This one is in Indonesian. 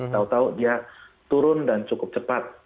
tahu tahu dia turun dan cukup cepat